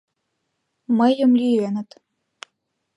— Мыйым лӱеныт...